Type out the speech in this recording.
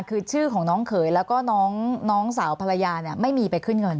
คือชื่อของน้องเขยแล้วก็น้องสาวภรรยาไม่มีไปขึ้นเงิน